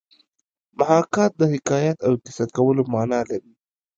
محاکات د حکایت او کیسه کولو مانا لري